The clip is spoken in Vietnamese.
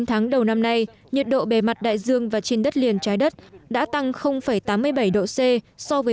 chín tháng đầu năm nay nhiệt độ bề mặt đại dương và trên đất liền trái đất đã tăng tám mươi bảy độ c so với